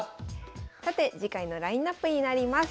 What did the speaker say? さて次回のラインナップになります。